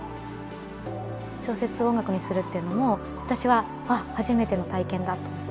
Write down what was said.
小説を音楽にするっていうのも私は初めての体験だと思って